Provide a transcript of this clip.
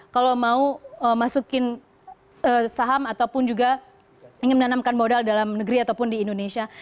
kalau mau masukin saham ataupun juga ingin menanamkan modal dalam negeri ataupun di indonesia